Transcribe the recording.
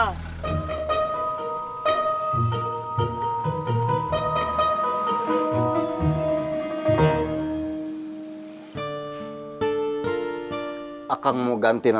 gak mengungu yang kosong ada terminal